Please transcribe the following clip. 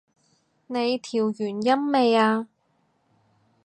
你調完音未啊？